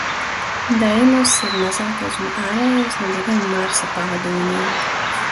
Deimoss ir mazākais un ārējais no diviem Marsa pavadoņiem.